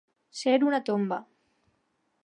Ser una tomba.